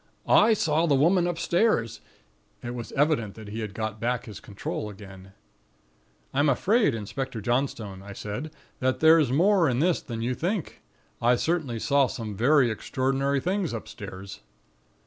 'I saw the Woman upstairs.' It was evident that he had got back his control again. "'I'm afraid, Inspector Johnstone,' I said, 'that there's more in this than you think. I certainly saw some very extraordinary things upstairs.'